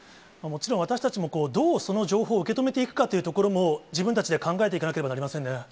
もちろん、私たちもどうその情報を受け止めていくかというところも、自分たちで考えていかなければなりませんね。